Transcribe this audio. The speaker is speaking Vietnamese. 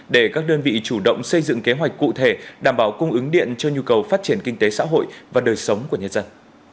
để các đơn vị chủ động xây dựng kế hoạch cụ thể đảm bảo cung ứng điện cho nhu cầu phát triển kinh tế xã hội và đời sống của nhân dân